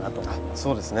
そうですね。